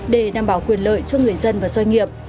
để đảm bảo quyền lợi cho người dân và doanh nghiệp